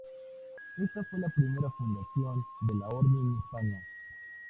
Esta fue la primera fundación de la orden en España.